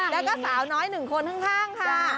แล้วก็สาวน้อยหนึ่งคนข้างค่ะ